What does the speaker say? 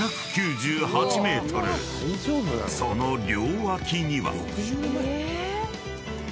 ［その両脇には］